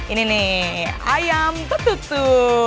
ini nih ayam petutu